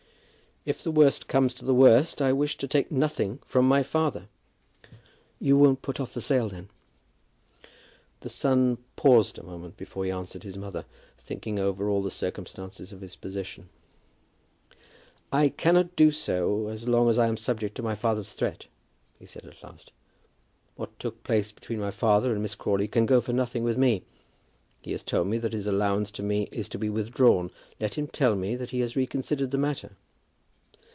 "If the worst comes to the worst, I wish to take nothing from my father." "You won't put off the sale, then?" The son paused a moment before he answered his mother, thinking over all the circumstances of his position. "I cannot do so as long as I am subject to my father's threat," he said at last. "What took place between my father and Miss Crawley can go for nothing with me. He has told me that his allowance to me is to be withdrawn. Let him tell me that he has reconsidered the matter."